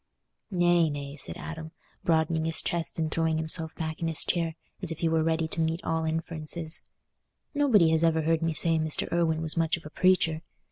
"Nay, nay," said Adam, broadening his chest and throwing himself back in his chair, as if he were ready to meet all inferences, "nobody has ever heard me say Mr. Irwine was much of a preacher.